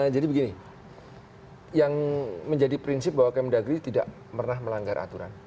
jadi begini yang menjadi prinsip bahwa kementerian negeri tidak pernah melanggar aturan